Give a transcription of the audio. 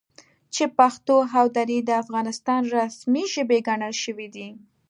چې پښتو او دري د افغانستان رسمي ژبې ګڼل شوي دي،